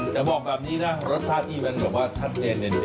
จะบอกแบบนี้นะรสชาติที่มันชัดเจนเด่น